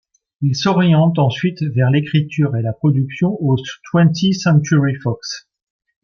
Il s'oriente ensuite vers l'écriture et la production au Twentieth Century Fox.